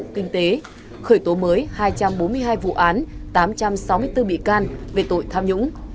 kinh tế khởi tố mới hai trăm bốn mươi hai vụ án tám trăm sáu mươi bốn bị can về tội tham nhũng